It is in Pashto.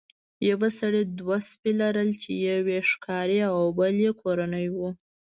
یو سړي دوه سپي لرل چې یو یې ښکاري او بل یې کورنی و.